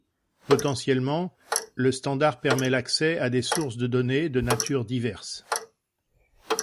Potentiellement, le standard permet l'accès à des sources de données de nature diverse.